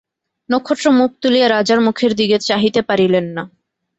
নক্ষত্র মুখ তুলিয়া রাজার মুখের দিকে চাহিতে পারিলেন না।